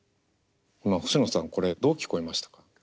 今星野さんこれどう聞こえましたか？